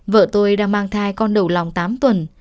vợ tôi đang mang thai con đầu lòng tám tuần